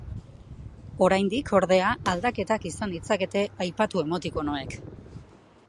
Oraindik, ordea, aldaketak izan ditzakete aipatu emotikonoek.